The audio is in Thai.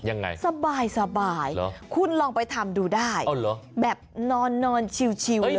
ยังไงสบายคุณลองไปทำดูได้แบบนอนชิวเลย